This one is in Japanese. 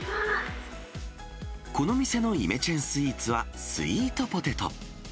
この店のイメチェンスイーツは、スイートポテト。